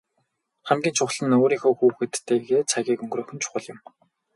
Хамгийн чухал нь өөрийнхөө хүүхдүүдтэйгээ цагийг өнгөрөөх нь чухал юм.